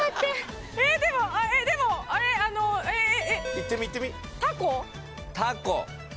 言ってみ言ってみ。